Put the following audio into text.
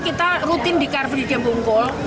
kita rutin di karveri jembungkol